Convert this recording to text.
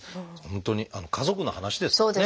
本当に家族の話ですからね。